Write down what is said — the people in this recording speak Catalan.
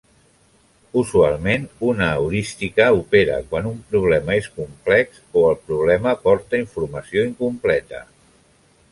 Usualment, una heurística opera quan un problema és complex o el problema porta informació incompleta.